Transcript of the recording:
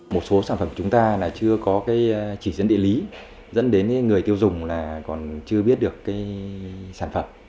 một số sản phẩm của chúng ta chưa có chỉ dẫn địa lý dẫn đến người tiêu dùng còn chưa biết được sản phẩm